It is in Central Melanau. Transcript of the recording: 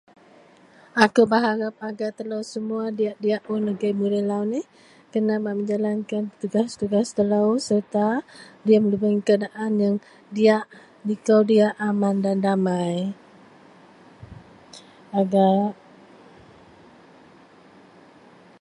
Ako beharap agar telo semua diyak-diyak un agei mudei lau neh, kena bak menjalan tugas-tugas telo. Serta diem lubeng keadaan diyak liko diyak aman dan damai. Ado